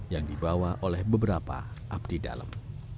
yang dibawa oleh beberapa abdi dalam